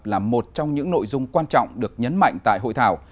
là một trong những nội dung quan trọng được nhấn mạnh tại hội thảo